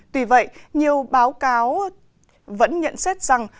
tuy vậy nhiều báo cáo vẫn nhận xét rằng